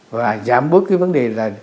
và giảm bớt cái vấn đề là